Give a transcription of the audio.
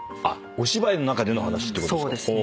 お芝居の中での話ってことですか。